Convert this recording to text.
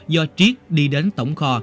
do triết đi đến tổng kho